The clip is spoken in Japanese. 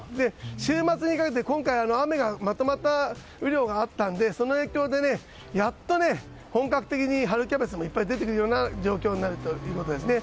週末にかけて、今回まとまった雨量があったのでその影響で、やっと本格的に春キャベツがいっぱい出てくるよな状況になるということですね。